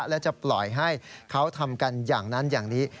และจะปล่อยให้เขาทำกันอย่างนั้นอย่างนี้